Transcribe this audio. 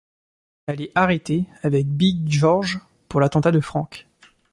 Elle est arrêtée avec Big George pour l'assassinat de Frank.